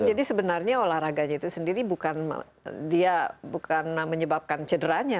jadi sebenarnya olahraganya itu sendiri bukan menyebabkan cederanya